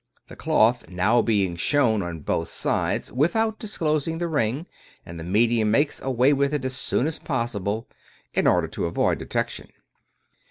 The cloth may now be shown on both sides, without disclosing the ring, and the medium makes away with it as soon as possible, in order to avoid detection.